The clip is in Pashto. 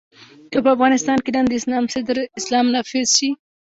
که په افغانستان کې نن د اسلام صدر اسلام نافذ شي.